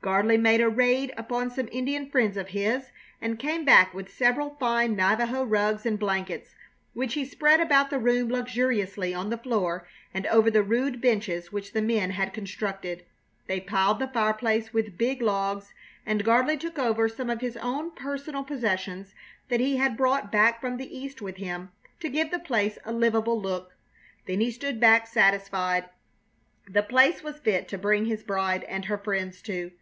Gardley made a raid upon some Indian friends of his and came back with several fine Navajo rugs and blankets, which he spread about the room luxuriously on the floor and over the rude benches which the men had constructed. They piled the fireplace with big logs, and Gardley took over some of his own personal possessions that he had brought back from the East with him to give the place a livable look. Then he stood back satisfied. The place was fit to bring his bride and her friends to.